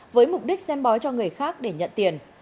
với mục đích xem bói cho người khác để nhận tiền